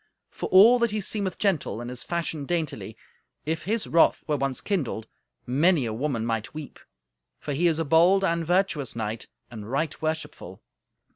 For all that he seemeth gentle, and is fashioned daintily, if his wrath were once kindled, many a woman might weep, for he is a bold and virtuous knight, and right worshipful."